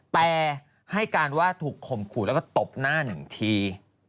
แต่ให้การว่าถูกข่มขู่แล้วก็ตบหน้าหนึ่งที